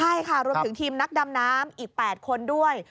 ใช่ค่ะรวมถึงทีมนักดำน้ำอีก๘คนด้วย